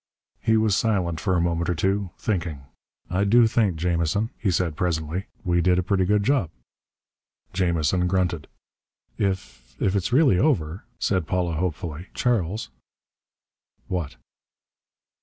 He was silent for a moment or so, thinking. "I do think, Jamison," he said presently, "we did a pretty good job." Jamison grunted. "If if it's really over," said Paula hopefully, "Charles " "What?"